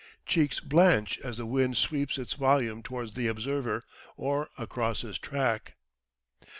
Cheeks blanch as the wind sweeps its volume towards the observer, or across his track.